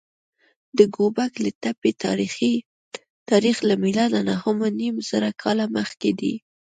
د ګوبک لي تپې تاریخ له میلاده نههنیمزره کاله مخکې دی.